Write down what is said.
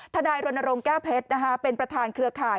นายรณรงค์แก้วเพชรเป็นประธานเครือข่าย